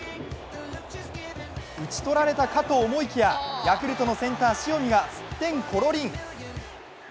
打ち取られたかと思いきやヤクルトのセンター・塩見がすってんころりん。